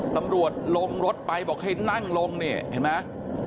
ตำรวจลงรถไปบอกให้นั่งลงนี่เห็นไหม